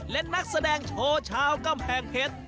และนักแสดงโชว์ชาวกำแพงเพชร